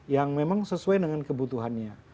yang memang sesuai dengan kebutuhannya